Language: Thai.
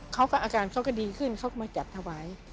อาการเขาก็ดีขึ้นเขาก็มาจัดถวาย